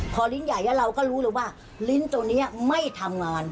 พอลิ้นใหญ่แล้วเราก็รู้เลยว่าลิ้นตัวนี้ไม่ทำงาน